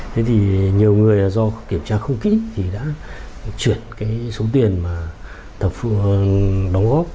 thế thì nhiều người do kiểm tra không kỹ thì đã chuyển cái số tiền mà thập phương đóng góp